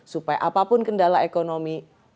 supaya apapun kendala ekonomi